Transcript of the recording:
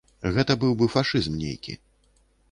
Гэта быў бы фашызм нейкі.